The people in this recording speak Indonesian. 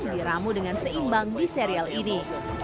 diramu dengan seimbang di serial ini